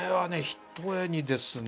ひとえにですね